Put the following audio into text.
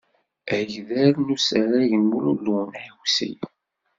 Agdal n usarag n Mulud Lunawsi.